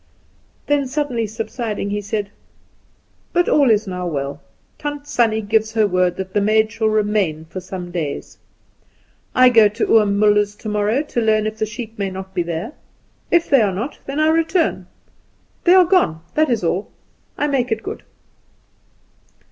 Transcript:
Then suddenly subsiding, he said, "But all is now well; Tant Sannie gives her word that the maid shall remain for some days. I go to Oom Muller's tomorrow to learn if the sheep may not be there. If they are not, then I return. They are gone, that is all. I make it good."